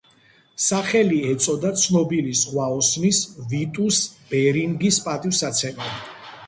სახელი ეწოდა ცნობილი ზღვაოსნის ვიტუს ბერინგის პატივსაცემად.